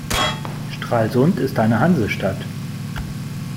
Stralsund ist eine Hansestadt.